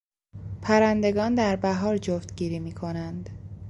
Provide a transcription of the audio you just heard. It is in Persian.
پرندگان در بهار جفتگیری میکنند.